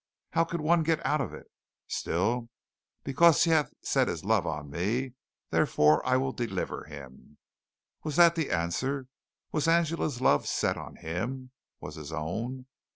How could one get out of it? Still "Because he hath set his love on me therefore will I deliver him." Was that the answer? Was Angela's love set on him? Was his own?